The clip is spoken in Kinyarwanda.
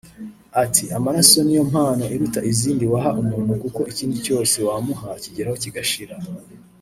Ati “Amaraso ni yo mpano iruta izindi waha umuntu kuko ikindi cyose wamuha kigeraho kigashira